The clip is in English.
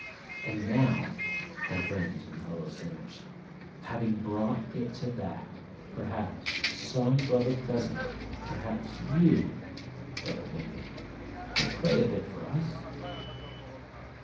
And now, my friends and fellow sinners, having brought it to that, perhaps some brother present—perhaps you, Brother Gimblet—will pray a bit for us?